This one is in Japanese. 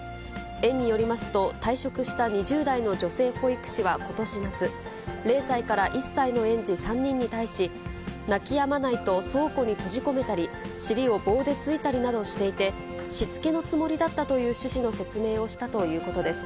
園によりますと、退職した２０代の女性保育士はことし夏、０歳から１歳の園児３人に対し、泣きやまないと倉庫に閉じ込めたり、尻を棒で突いたりなどしていて、しつけのつもりだったという趣旨の説明をしたということです。